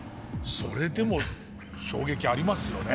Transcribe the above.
それでも衝撃ありますよね。